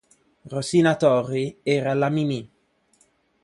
Rosina Torri era la Mimì.